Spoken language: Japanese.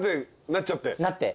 なって。